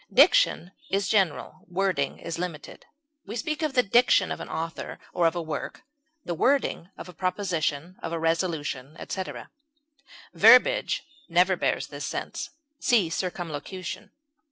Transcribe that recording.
Diction is general; wording is limited; we speak of the diction of an author or of a work, the wording of a proposition, of a resolution, etc. Verbiage never bears this sense (see CIRCUMLOCUTION.)